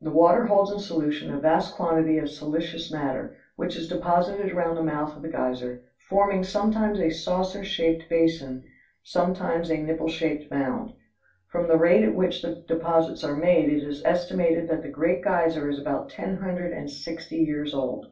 The water holds in solution a vast quantity of silicious matter, which is deposited around the mouth of the geyser, forming sometimes a saucer shaped basin, sometimes a nippleshaped mound. From the rate at which the deposits are made, it is estimated that the Great Geyser is about ten hundred and sixty years old.